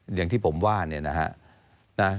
อย่างที่ผมว่าเนี่ยนะฮะ